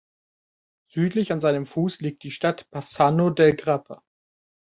Südlich an seinem Fuß liegt die Stadt Bassano del Grappa.